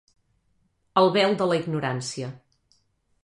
El vel de la ignorància.